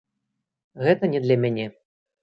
Гэта не для мяне.